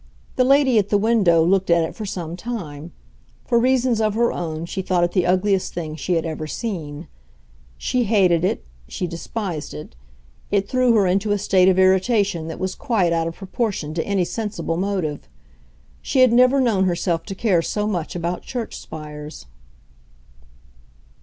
The lady at the window looked at it for some time; for reasons of her own she thought it the ugliest thing she had ever seen. She hated it, she despised it; it threw her into a state of irritation that was quite out of proportion to any sensible motive. She had never known herself to care so much about church spires.